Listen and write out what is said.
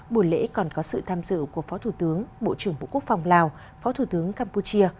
buổi lễ còn có sự tham dự của phó thủ tướng bộ trưởng bộ quốc phòng lào phó thủ tướng campuchia